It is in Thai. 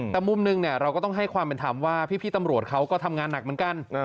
แต่มุมหนึ่งเราก็ต้องให้ความเป็นธรรมว่าพี่ตำรวจเขาก็ทำงานหนักเหมือนกัน